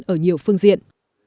ở nhiều phương diện